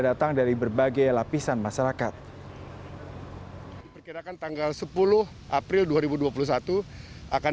datang dari berbagai lapisan masyarakat diperkirakan tanggal sepuluh april dua ribu dua puluh satu akan